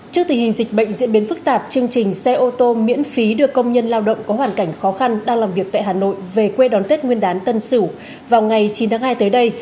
trước tình hình dịch bệnh diễn biến phức tạp chương trình xe ô tô miễn phí đưa công nhân lao động có hoàn cảnh khó khăn đang làm việc tại hà nội về quê đón tết nguyên đán tân sửu vào ngày chín tháng hai tới đây